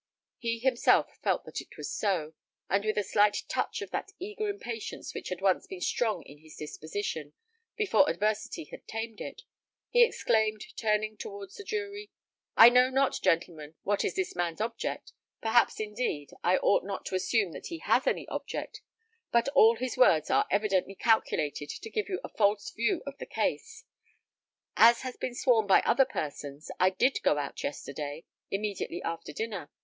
He himself felt that it was so; and with a slight touch of that eager impatience which had once been strong in his disposition, before adversity had tamed it, he exclaimed, turning towards the jury, "I know not, gentlemen, what is this man's object perhaps, indeed, I ought not to assume that he has any object but all his words are evidently calculated to give you a false view of the case. As has been sworn by other persons, I did go out yesterday, immediately after dinner.